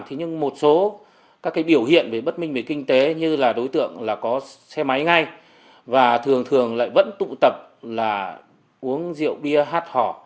thế nhưng một số các cái biểu hiện về bất minh về kinh tế như là đối tượng là có xe máy ngay và thường thường lại vẫn tụ tập là uống rượu bia hát hỏ